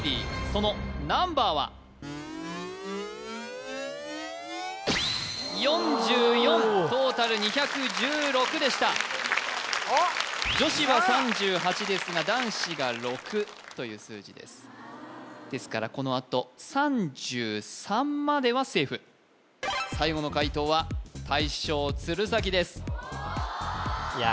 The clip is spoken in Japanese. そのナンバーは４４おおトータル２１６でしたおっ女子は３８ですが男子が６という数字ですですからこのあと最後の解答は大将鶴崎ですいや